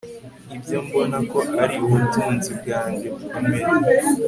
ibyo mbona ko ari ubutunzi bwanjye bukomeye